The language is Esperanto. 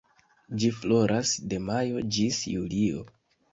Ĝi floras de majo ĝis julio.